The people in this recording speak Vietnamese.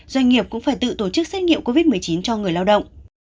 doanh nghiệp cũng phải tự tổ chức xét nghiệm covid một mươi chín cho người lao động